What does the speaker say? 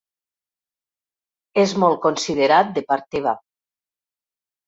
És molt considerat de part teva.